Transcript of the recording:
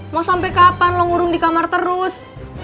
mau sampai kapan lo ngurung di kamar terus